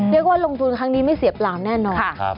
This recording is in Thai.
เรียกว่าลงทุนครั้งนี้ไม่เสียปลามแน่นอน